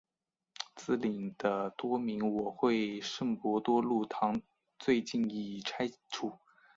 毗邻的多明我会圣伯多禄堂最近已经拆除。